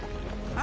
あ？